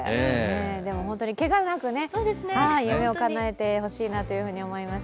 けがなく、夢をかなえてほしいなと思います。